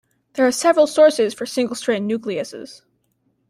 There are several sources for single strand nucleases.